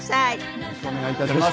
よろしくお願いします。